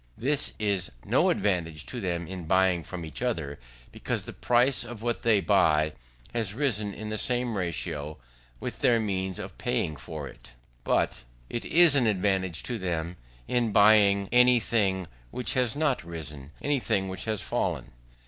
This is no advantage to them in buying from each other; because the price of what they buy has risen in the same ratio with their means of paying for it: but it is an advantage to them in buying any thing which has not risen; and still more, any thing which has fallen.